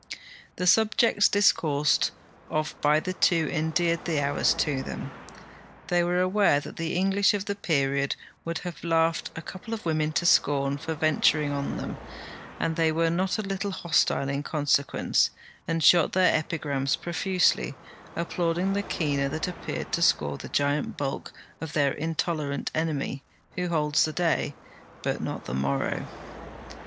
The subjects discoursed of by the two endeared the hours to them. They were aware that the English of the period would have laughed a couple of women to scorn for venturing on them, and they were not a little hostile in consequence, and shot their epigrams profusely, applauding the keener that appeared to score the giant bulk of their intolerant enemy, who holds the day, but not the morrow.